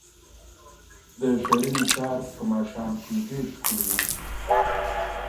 د ښرنې ښار په ماښام کې ډېر ښکلی وي.